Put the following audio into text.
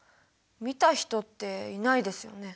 見た人っていないですよね？